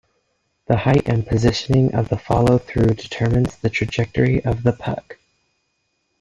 The height and positioning of the follow-through determines the trajectory of the puck.